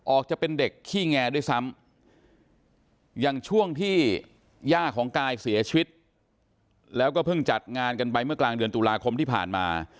จะเป็นเด็กขี้แงด้วยซ้ำอย่างช่วงที่ย่าของกายเสียชีวิตแล้วก็เพิ่งจัดงานกันไปเมื่อกลางเดือนตุลาคมที่ผ่านมา